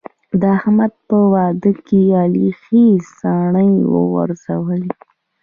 د احمد په واده کې علي ښې څڼې وغورځولې.